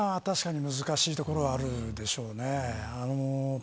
確かに難しいところはあるでしょうね。